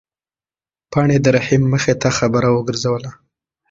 پاڼې د رحیم مخې ته خبره ورګرځوله.